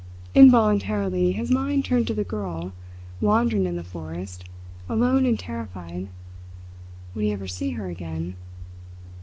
Involuntarily, his mind turned to the girl, wandering in the forest, alone and terrified. Would he ever see her again?